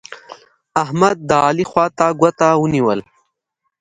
احمد؛ د علي خوا ته ګوته ونيول.